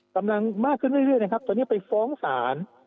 กำลังมากขึ้นเรื่อยนะครับตอนนี้ไปฟ้องศาล